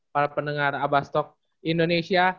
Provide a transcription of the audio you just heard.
para pendengar abastok indonesia